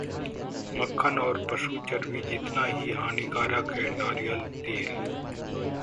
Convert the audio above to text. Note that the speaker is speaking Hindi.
मक्खन और पशु चर्बी जितना ही हानिकारक है नारियल तेल